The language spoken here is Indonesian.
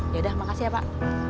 ya udah makasih ya pak